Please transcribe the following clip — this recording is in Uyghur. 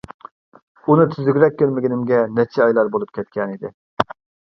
ئۇنى تۈزۈكرەك كۆرمىگىنىمگە نەچچە ئايلار بولۇپ كەتكەن ئىدى.